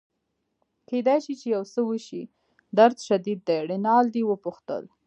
کیدای شي چي یو څه وشي، درد شدید دی؟ رینالډي وپوښتل.